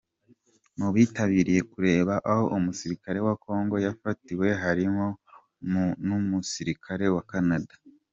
Mu bitabiriye kureba aho umusirikare wa Congo yafatiwe harimo n’umusirikare wa Canada.